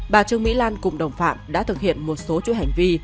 bà trương mỹ lan cùng đồng phạm đã thực hiện một số chuỗi hành vi